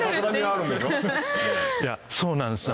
そうなんですよ